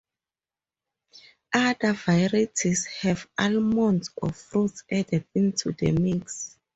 Other varieties have almonds or fruits added into the mix.